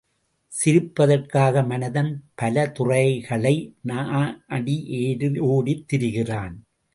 சிரிப்பதற்காக மனிதன் பலதுறைகளை நாடியோடித் திரிகிறான்.